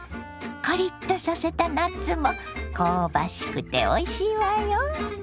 カリッとさせたナッツも香ばしくておいしいわよ。